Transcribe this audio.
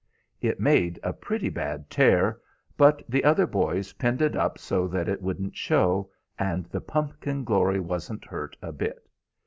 It made a pretty bad tear, but the other boys pinned it up so that it wouldn't show, and the pumpkin glory wasn't hurt a bit.